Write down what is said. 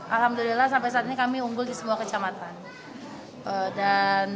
alhamdulillah sampai saat ini kami unggul di semua kecamatan